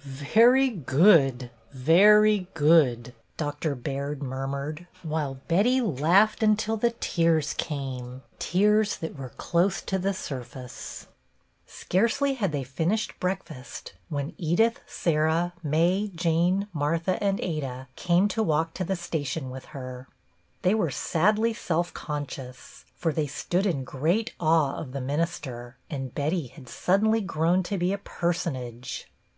" "Very good! very good!" Doctor Baird murmured, while Betty laughed until the tears came, tears that were close to the surface. Scarcely had they finished breakfast when Edith, Sarah, May, Jane, Martha, and Ada came to walk to the station with her. They were sadly self conscious, for they stood in great awe of the minister, and Betty had suddenly grown to be a personage.